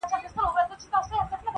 چي کورونا دی که کورونا ده-